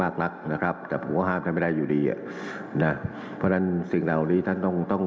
อาการท่านส่งมันแสดงเอาไปต่าง